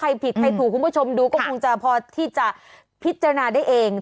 ผิดใครถูกคุณผู้ชมดูก็คงจะพอที่จะพิจารณาได้เอง